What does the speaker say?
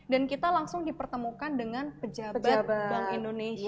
dan kita langsung dipertemukan dengan pejabat bank indonesia